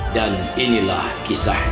dan inilah kisahnya